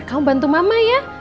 kamu bantu mama ya